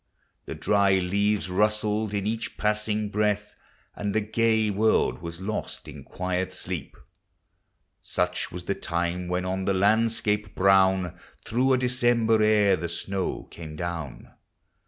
The dry leaves rustled in each passing breath, And the gay world was lost in quiet sleep. Such was the time when, on the landscape brown, Through a December air the snow came down.